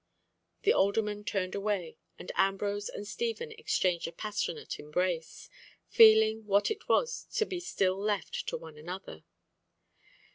The alderman turned away, and Ambrose and Stephen exchanged a passionate embrace, feeling what it was to be still left to one another.